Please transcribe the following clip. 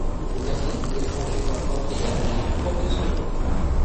Le quartier du étranger d’infanterie, à Nîmes, porte son nom.